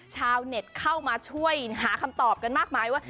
ชาวเน็ตเข้ามาช่วยหาคำตอบกันมากมายว่า